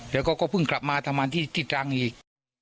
แล้วก็เพิ่งกลับมาทำงานที่ตรังอีก